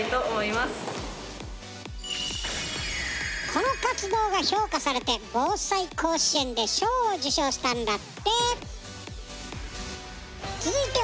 この活動が評価されて「ぼうさい甲子園」で賞を受賞したんだって。